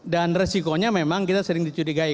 dan resikonya memang kita sering dicudigai